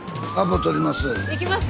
いきます？